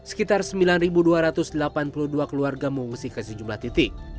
sekitar sembilan dua ratus delapan puluh dua keluarga mengungsi ke sejumlah titik